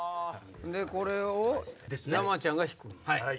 でこれを山ちゃんが引くんや。